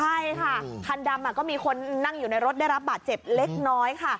ใช่ค่ะคันดำก็มีคนนั่งอยู่ในรถได้รับบาดเจ็บเล็กน้อยค่ะ